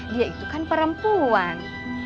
dia itu kan perempuan